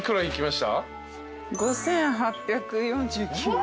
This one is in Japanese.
５，８４９円。